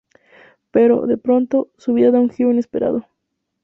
Pero, de pronto, su vida da un giro inesperado.